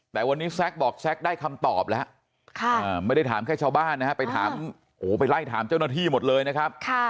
แต่วันนี้แซ็กบอกแซ็กได้คำตอบแล้วไม่ได้ถามแค่ชาวบ้านนะฮะไปถามไปไล่ถามเจ้าหน้าที่หมดเลยนะครับ